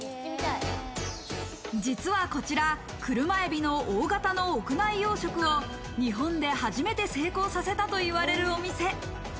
実はこちら車海老の大型の屋内養殖を日本で初めて成功させたといわれるお店。